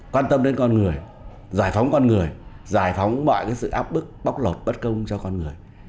quan tâm đến con người giải phóng con người giải phóng mọi sự áp bức bóc lột bất công cho con người